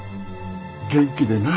元気でな。